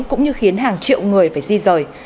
cũng như khiến hàng triệu người phải di dời